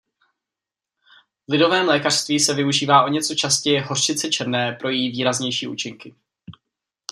V lidovém lékařství se využívá o něco častěji hořčice černé pro její výraznější účinky.